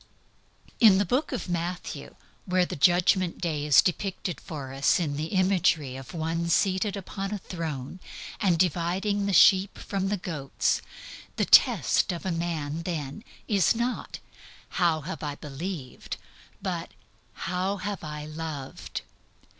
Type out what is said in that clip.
In the Book of Matthew, where the Judgment Day is depicted for us in the imagery of One seated upon a throne and dividing the sheep from the goats, the test of a man then is not, "How have I believed?" but "How have I loved?"